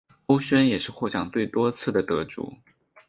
欧萱也是获奖最多次的得主。